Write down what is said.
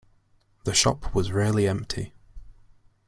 The shop was rarely empty.